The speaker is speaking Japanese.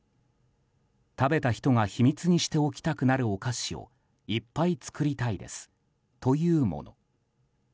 食べた人が秘密にしておきたくなるお菓子をいっぱい作りたいですというもの。